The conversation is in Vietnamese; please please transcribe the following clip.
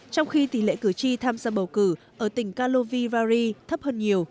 trong khi tỷ lệ cử tri tham gia bầu cử ở tỉnh kalovivari thấp hơn nhiều